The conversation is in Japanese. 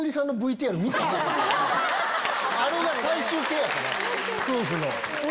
あれが最終形やから夫婦の。